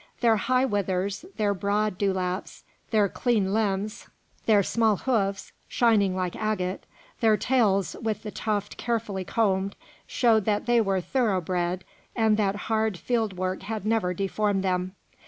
Their high withers, their broad dewlaps, their clean limbs, their small hoofs, shining like agate, their tails with the tuft carefully combed, showed that they were thorough bred and that hard field work had never deformed them.